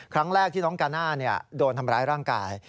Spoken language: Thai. ครั้งแรกที่น้องกาน่าโดนทำร้ายร่างกาย